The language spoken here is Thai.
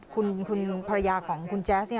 คุณภรรยาของคุณเจน